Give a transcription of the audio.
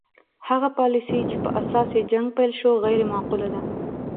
هغه پالیسي چې په اساس یې جنګ پیل شو غیر معقوله ده.